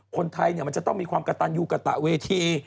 คนไทยมันจะต้องมีความกระตันยูกระตะเวที